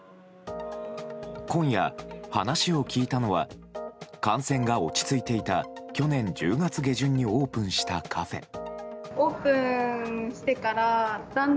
今夜、話を聞いたのは感染が落ち着いていた去年１０月下旬にオープンしたカフェ。